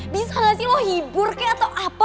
bisa gak sih lo hibur kah atau apa